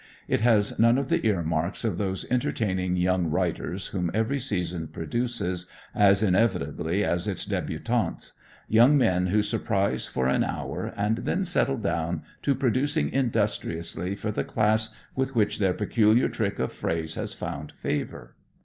It has none of the ear marks of those entertaining "young writers" whom every season produces as inevitably as its debutantes, young men who surprise for an hour and then settle down to producing industriously for the class with which their peculiar trick of phrase has found favor.